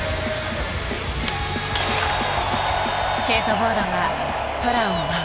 スケートボードが空を舞う。